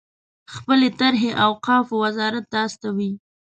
خپلې طرحې اوقافو وزارت ته استوي.